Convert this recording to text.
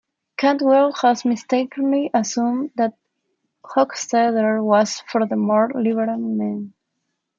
Cantwell has mistakenly assumed that Hockstader was for the more liberal man.